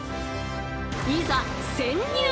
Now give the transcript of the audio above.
いざ潜入！